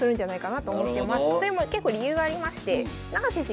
それも結構理由がありまして永瀬先生